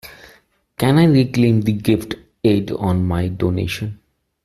Can I reclaim the gift aid on my donation?